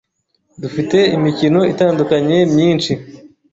Dufite imikino itandukanye myinshi